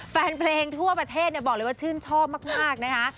แฟนเพลงทั่วประเทศบอกเลยว่าชื่นชอบมากนะคะ